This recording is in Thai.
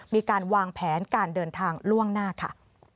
มีการวางแผนการเดินทางล่วงหน้าค่ะ